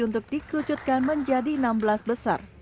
untuk dikerucutkan menjadi enam belas besar